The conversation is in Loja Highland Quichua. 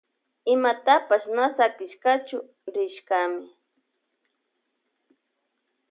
Imatapash na sakishkachu rishkami.